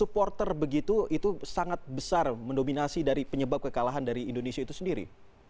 supporter begitu itu sangat besar mendominasi dari penyebab kekalahan dari indonesia itu sendiri